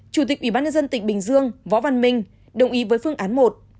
chủ tịch ủy ban nhân dân tỉnh bình dương võ văn minh đồng ý với phương án một